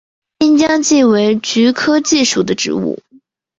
新疆蓟为菊科蓟属的植物。